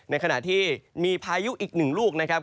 ขณะที่มีพายุอีกหนึ่งลูกนะครับ